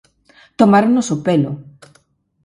¡Tomáronnos o pelo!